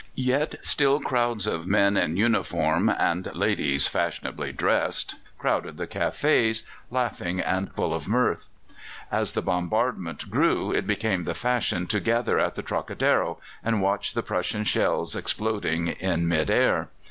Yet still crowds of men in uniform and ladies fashionably dressed crowded the cafés, laughing and full of mirth. As the bombardment grew, it became the fashion to gather at the Trocadero, and watch the Prussian shells exploding in mid air.